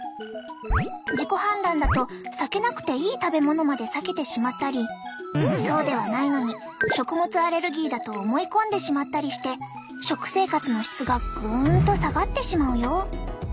自己判断だと避けなくていい食べ物まで避けてしまったりそうではないのに食物アレルギーだと思い込んでしまったりして食生活の質がぐんと下がってしまうよ。